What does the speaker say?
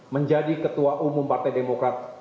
menjadi ketua umum partai demokrat